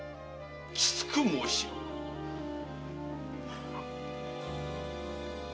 きつく申しつく。